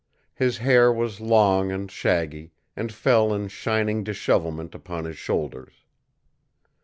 His hair was long and shaggy, and fell in shining dishevelment upon his shoulders.